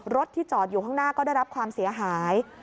รถที่จอดอยู่ข้างหน้าก็ได้รับความเสียหาย